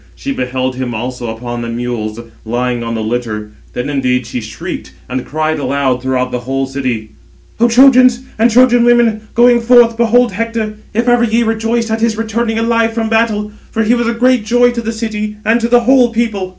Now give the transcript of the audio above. She beheld him also upon the mules, lying on the litter; then indeed she shrieked, and cried aloud throughout the whole city: "O Trojans and Trojan women, going forth, behold Hector, if ever ye rejoiced at his returning alive from battle; for he was a great joy to the city, and to the whole people."